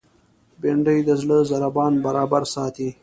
بېنډۍ د زړه ضربان برابر ساتي